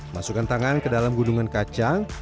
masukkan tangan ke dalam gunungan kacang